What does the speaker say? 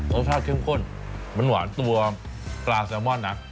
รสชาติเข้มข้นมันหวานตัวปลาแซลมอนนะ